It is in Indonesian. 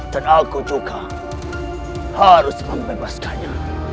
dan aku juga harus membebaskannya